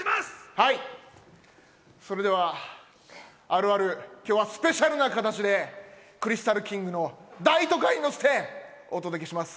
はい、それではあるある、今日はスペシャルな形でクリスタルキングの『大都会』に乗せてお届けします。